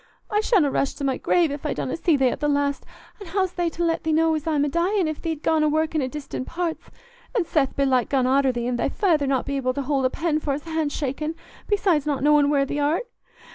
I shanna rest i' my grave if I donna see thee at th' last; an' how's they to let thee know as I'm a dyin', if thee't gone a workin' i' distant parts, an' Seth belike gone arter thee, and thy feyther not able to hold a pen for's hand shakin', besides not knowin' where thee art?